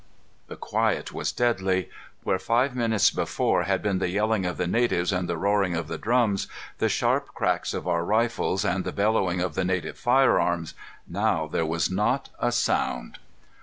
The quiet was deadly. Where five minutes before had been the yelling of the natives and the roaring of the drums, the sharp cracks of our rifles, and the bellowing of the native firearms, now there was not a sound.